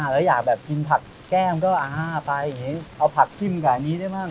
แล้วอยากกินผักแก้มก็ไอล่ะไฟล์อย่างนี้เอาผักชิมกับอันนี้ได้มั้ง